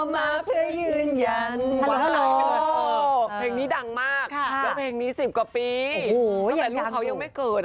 มากค่ะแล้วเพลงนี้สิบกว่าปีโอ้โหตอนนี้ลูกเขายังไม่เกิด